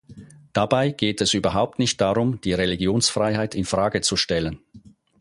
Dabei geht es überhaupt nicht darum, die Religionsfreiheit in Frage zu stellen.